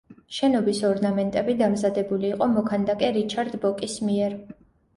შენობის ორნამენტები დამზადებული იყო მოქანდაკე რიჩარდ ბოკის მიერ.